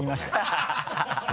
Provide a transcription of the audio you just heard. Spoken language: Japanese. ハハハ